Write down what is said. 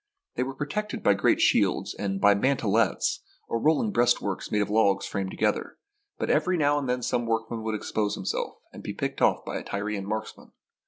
They were protected by great shields and by " mantelets," or rolling breast works made of logs framed together ; but every now and then some workman would expose himself and be picked off by the Tyrian marksmen.